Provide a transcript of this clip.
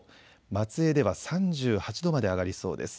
松江では３８度まで上がりそうです。